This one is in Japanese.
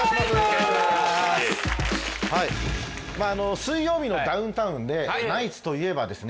「水曜日のダウンタウン」でナイツといえばですね